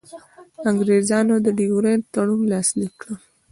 انګرېزانو د ډیورنډ تړون لاسلیک کړ.